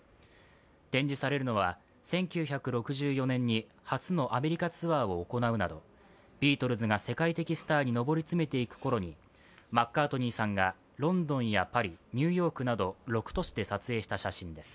展示されるのは１９６４年に初のアメリカツアーを行うなどビートルズが世界的スターに上り詰めていく頃にマッカートニーさんが、ロンドンやパリ、ニューヨークなど６都市で撮影した写真です。